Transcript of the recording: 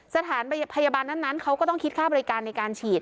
สถานพยาบาลนั้นเขาก็ต้องคิดค่าบริการในการฉีด